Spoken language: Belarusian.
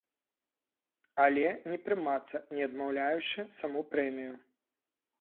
Але не прымацца, не адмаўляючы саму прэмію.